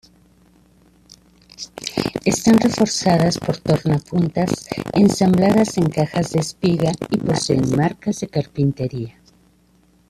Están reforzados por tornapuntas ensambladas en cajas de espiga y poseen marcas de carpintería.